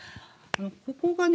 ここがね